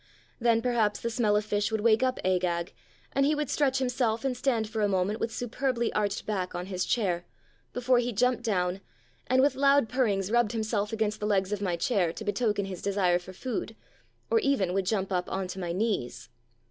Then perhaps the smell of fish would wake up Agag, and he would stretch himself and stand for a moment with superbly arched back on his chair, before he jumped down, and with loud purrings rubbed himself against the legs of my chair to betoken his desire for food, or even would jump up on to my knees.